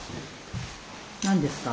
何ですか？